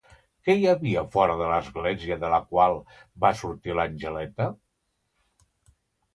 Què hi havia fora de l'església de la qual va sortir l'Angeleta?